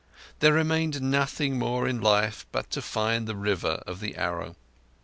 There remained nothing more in life but to find the River of the Arrow.